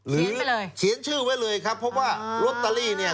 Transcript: เขียนไปเลยเขียนชื่อไว้เลยครับเพราะว่าลอตเตอรี่